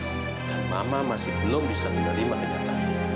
dan mama masih belum bisa menerima kenyataannya